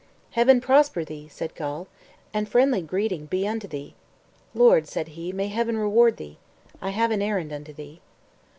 "Heaven prosper thee," said Gawl, "and friendly greeting be unto thee!" "Lord," said he, "may Heaven reward thee! I have an errand unto thee."